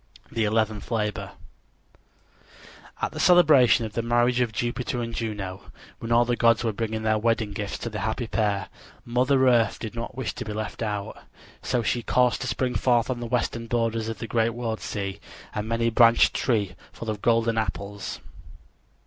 THE ELEVENTH LABOR At the celebration of the marriage of Jupiter and Juno, when all the gods were bringing their wedding gifts to the happy pair, Mother Earth did not wish to be left out. So she caused to spring forth on the western borders of the great world sea a many branched tree full of golden apples.